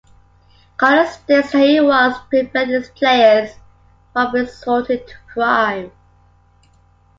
Carter states that he wants to prevent his players from resorting to crime.